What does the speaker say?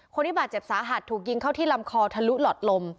คนที่บาดเจ็บสาหัสถูกยิงเข้าที่ลำคอทะลุหลอดลม